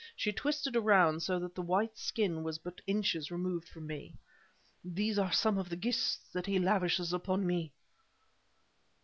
She twisted around, so that the white skin was but inches removed from me. "These are some of the gifts that he lavishes upon me!"